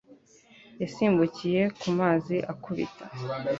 Yasimbukiye mu mazi akubita.